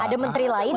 ada menteri lain